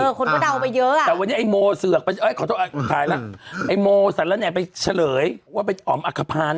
คนก็เดาไปเยอะอ่ะแต่วันนี้ไอ้โมเสือกไปเอ้ยขอโทษขายแล้วไอ้โมสันแล้วเนี่ยไปเฉลยว่าเป็นอ๋อมอักขพันธ์